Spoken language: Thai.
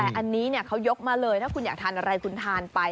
แต่อันนี้เขายกมาเลยถ้าคุณอยากทานอะไรคุณทานไป